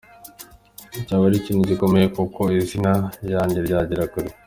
Cyaba ari ikintu gikomeye kuko izina ryanjye ryagera kure”.